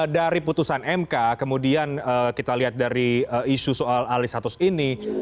dari putusan mk kemudian kita lihat dari isu soal alih status ini